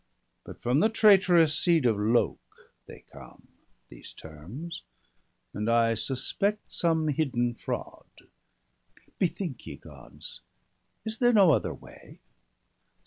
But from the traitorous seed of Lok they come, These terms, and I suspect some hidden fraud. Bethink ye, Gods, is there no other way